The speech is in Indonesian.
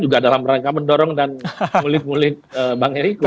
juga dalam rangka mendorong dan mulit mulit bang heriko kan